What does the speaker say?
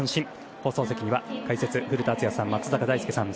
放送席の解説は古田敦也さん、松坂大輔さん